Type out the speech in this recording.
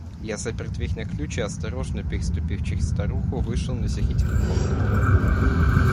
Я запер дверь на ключ и, осторожно переступив через старуху, вышел на середину комнаты.